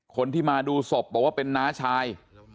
คนที่มาดูศพบอกว่าเป็นน้าชาย